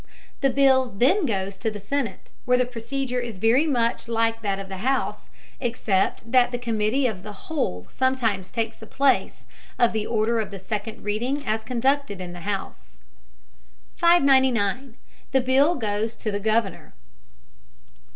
The bill then goes to the senate, where the procedure is very much like that of the house, except that the committee of the whole sometimes takes the place of the order of the second reading as conducted in the house. 599. THE BILL GOES TO THE GOVERNOR.